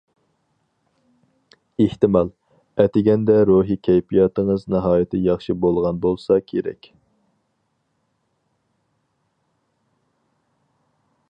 ئېھتىمال، ئەتىگەندە روھىي كەيپىياتىڭىز ناھايىتى ياخشى بولغان بولسا كېرەك.